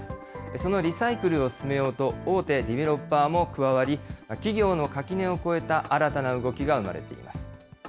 そのリサイクルを進めようと、大手デベロッパーも加わり、企業の垣根を越えた新たな動きが生まれています。